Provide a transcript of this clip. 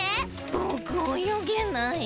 ぼくおよげない。